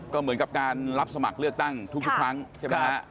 ก็เหมือนกับการรับสมัครเลือกตั้งทุกครั้งใช่ไหมฮะ